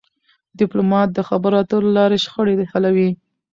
ډيپلومات د خبرو اترو له لارې شخړې حلوي..